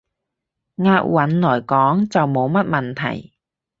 押韻來講，就冇乜問題